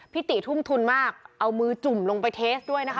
ติทุ่มทุนมากเอามือจุ่มลงไปเทสด้วยนะคะ